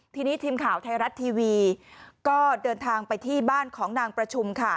ทีนี้ทีมข่าวไทยรัฐทีวีก็เดินทางไปที่บ้านของนางประชุมค่ะ